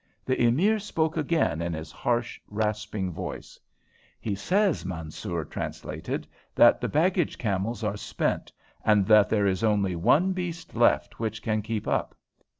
The Emir spoke again in his harsh, rasping voice. "He says," Mansoor translated, "that the baggage camels are spent, and that there is only one beast left which can keep up.